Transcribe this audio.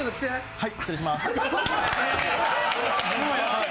はい。